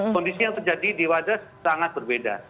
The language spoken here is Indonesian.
kondisi yang terjadi di wadas sangat berbeda